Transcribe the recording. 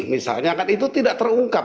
misalnya kan itu tidak terungkap